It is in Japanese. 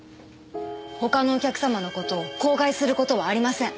他のお客様の事を口外する事はありません。